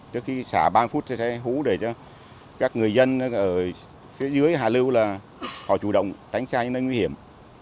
trước khi xả ba mươi phút sẽ hú để cho các người dân ở phía dưới hà lưu là họ chủ động tránh xa những nơi nguy hiểm